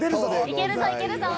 いけるぞいけるぞ。